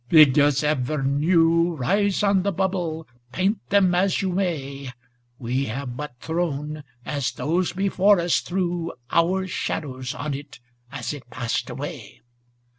ŌĆö * Figures ever new Rise on the bubble, paint them as you may; We have but thrown, as those before us threw, 250 * Our shadows on it as it passed away.